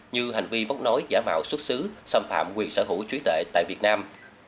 như hành vi vóc nối giả mạo xuất xứ xâm phạm quyền sở hữu trí tuệ tại việt nam